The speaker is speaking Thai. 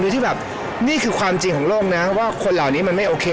โดยที่แบบนี่คือความจริงของโลกนะว่าคนเหล่านี้มันไม่โอเค